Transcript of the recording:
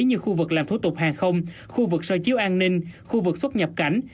như khu vực làm thủ tục hàng không khu vực so chiếu an ninh khu vực xuất nhập cảnh